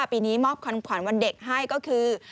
ปีนี้มอบคอนขวัญวันเด็กให้ก็คือ